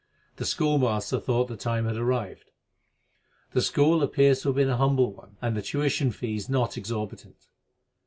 The schoolmaster thought the time had arrived. The school appears to have been a humble one, and the tuition fees not exorbitant.